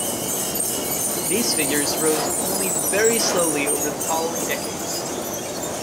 These figures rose only very slowly over the following decades.